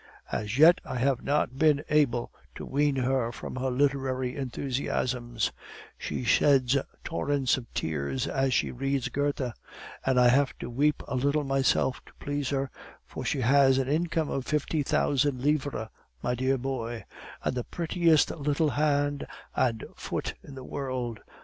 As yet I have not been able to wean her from her literary enthusiasms; she sheds torrents of tears as she reads Goethe, and I have to weep a little myself to please her, for she has an income of fifty thousand livres, my dear boy, and the prettiest little hand and foot in the world.